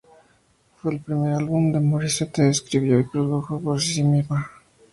Fue el primer álbum que Morissette escribió y produjo por sí misma.